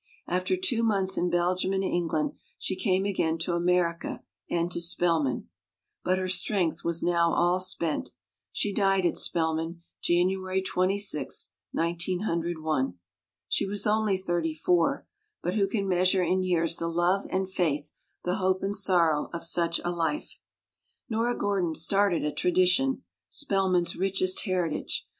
After two months in Belgium and England she came again to America, and to Spelman. But her strength was now all spent. She died at Spelman January 26, 1901. She was only thirty four ; but who can measure in years the love and faith, the hope and sorrow, of such a life? Nora Gordon started a tradition, S pel man's richest heritage.